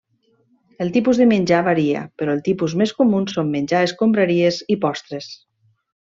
El tipus de menjar varia, però els tipus més comuns són menjar escombraries i postres.